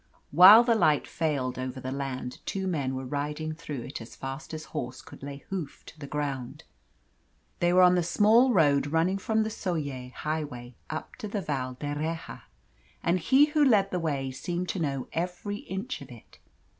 While the light failed over the land two men were riding through it as fast as horse could lay hoof to the ground. They were on the small road running from the Soller highway up to the Val d'Erraha, and he who led the way seemed to know every inch of it.